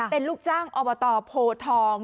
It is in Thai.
เป็นลูกจ้างอบตโพทอง